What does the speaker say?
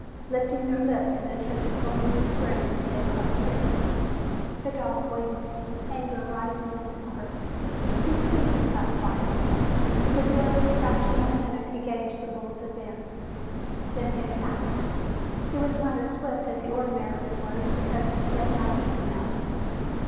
Lifting their lips in anticipatory grins, they closed in. The dog waited, anger rising in his heart. He too knew how to fight. For the barest fraction of a minute he gauged the bulls' advance, then he attacked. He was not as swift as he ordinarily was because he had not eaten enough.